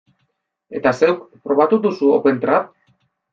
Eta zeuk, probatu duzu OpenTrad?